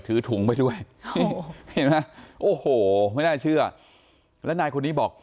ถือถุงไปด้วยเห็นไหมโอ้โหไม่น่าเชื่อแล้วนายคนนี้บอก